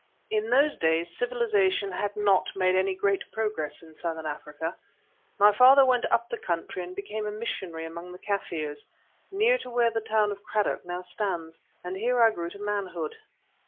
In those days civilization had not made any great progress in Southern Africa. My father went up the country and became a missionary among the Kaffirs, near to where the town of Cradock now stands, and here I grew to manhood.